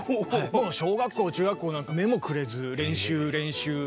もう小学校中学校なんか目もくれず練習練習。